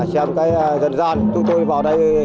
xem cái dân gian chúng tôi vào đây